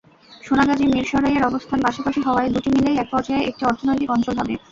সোনাগাজী-মিরসরাইয়ের অবস্থান পাশাপাশি হওয়ায় দুটি মিলেই একপর্যায়ে একটি অর্থনৈতিক অঞ্চল হবে।